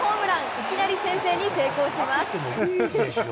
いきなり先制に成功します。